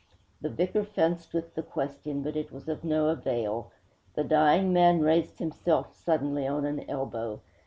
The vicar fenced with the question, but it was of no avail. The dying man raised himself suddenly on an elbow.